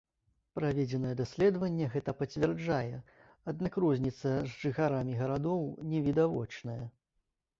Праведзенае даследаванне гэта пацвярджае, аднак розніца з жыхарамі гарадоў не відавочная.